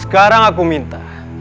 sekarang aku minta